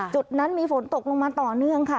จุดนั้นมีฝนตกลงมาต่อเนื่องค่ะ